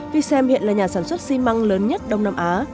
v sem hiện là nhà sản xuất xi măng lớn nhất đông nam á